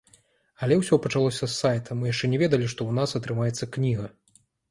Але ўсё пачалося з сайта, мы яшчэ не ведалі, што ў нас атрымаецца кніга.